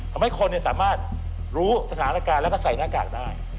ทำให้คนสามารถรู้สถานการณ์แล้วก็ใส่หน้ากากได้